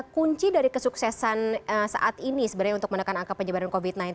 kunci dari kesuksesan saat ini sebenarnya untuk menekan angka penyebaran covid sembilan belas